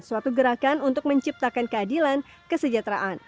suatu gerakan untuk menciptakan keadilan kesejahteraan